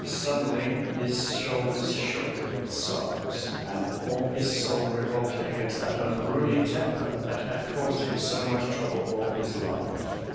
Suddenly his shoulders shook with sobs and all his soul revolted against that unruly temper that had caused him so much trouble all his life.